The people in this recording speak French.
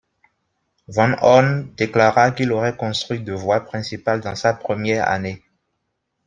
Van Horne déclara qu'il aurait construit de voie principale dans sa première année.